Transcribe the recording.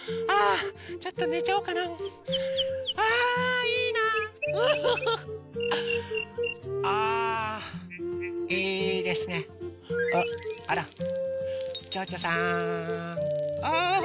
あら。